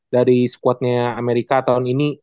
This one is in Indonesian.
dari squadnya amerika tahun ini